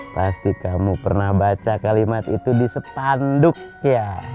pasti kamu pernah baca kalimat itu di sepanduk ya